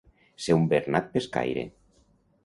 Ser un bernat pescaire.